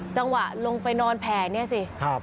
จังหวะลงไปนอนแผ่เนี่ยสิ